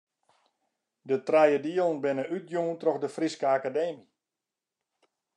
De trije dielen binne útjûn troch de Fryske Akademy.